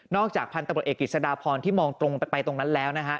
จากพันธุ์ตำรวจเอกกิจสดาพรที่มองตรงไปตรงนั้นแล้วนะฮะ